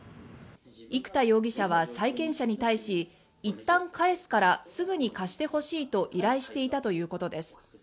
生田容疑者は債権者に対しいったん返すからすぐに貸してほしいと依頼していたということです。